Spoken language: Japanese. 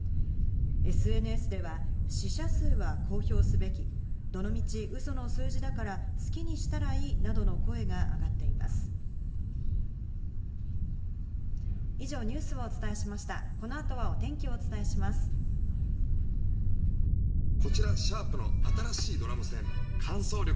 ＳＮＳでは、死者数は公表すべき、どのみちうその数字だから好きにしたらいいなどの声が上がってい私何すればいいんだろう？